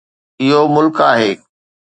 اهو ملڪ آهي.